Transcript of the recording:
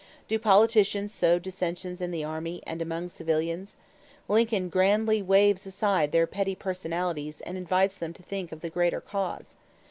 Do politicians sow dissensions in the army and among civilians? Lincoln grandly waves aside their petty personalities and invites them to think of the greater cause.